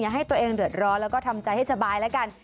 ให้ตัวเองเดือดร้อนแล้วก็ทำใจให้สบายแล้วกัน